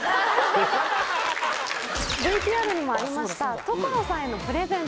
ＶＴＲにもありました所さんへのプレゼント